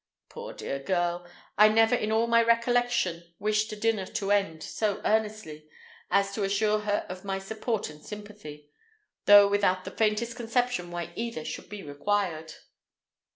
Poor dear girl! I never in all my recollection wished a dinner at an end so earnestly so as to assure her of my support and sympathy, though without the faintest conception why either should be required.